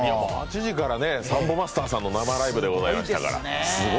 ８時からサンボマスターさんの生ライブでしたから。